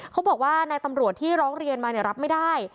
เขาบอกว่านายตำรวจที่ร้องเรียนมารับไม่ได้